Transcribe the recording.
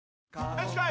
よしこい！